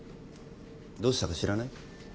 どうしたか知らない？さあ。